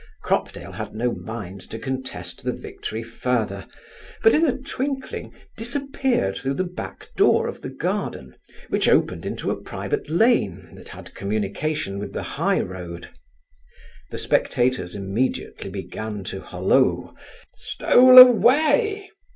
Cropdale had no mind to contest the victory further; but, in a twinkling, disappeared through the back door of the garden, which opened into a private lane, that had communication with the high road. The spectators immediately began to hollow, 'Stole away!